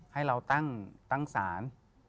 ให้เราตั้งศาล